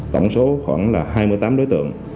tổng số khoảng là hai mươi tám đối tượng